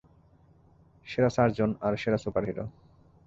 সেরা সার্জন আর সেরা সুপারহিরো।